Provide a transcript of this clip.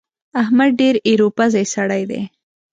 احمد ډېر ايرو پزی سړی دی.